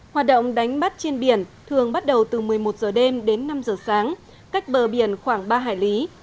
hoạt động đánh bắt trên biển thường bắt đầu từ một mươi một giờ đêm đến năm giờ sáng cách bờ biển khoảng ba hải lý